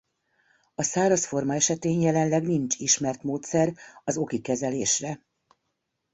A száraz forma esetén jelenleg nincs ismert módszer az oki kezelésre.